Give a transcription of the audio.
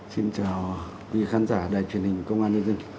xin chào quý khán giả đài truyền hình công an